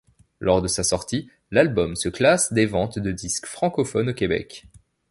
Lors de sa sortie, l'album se classe des ventes de disques francophones au Québec.